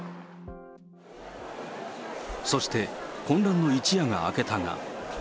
そして混乱の一夜が明けたが。